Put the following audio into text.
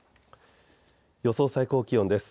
予想最高気温です。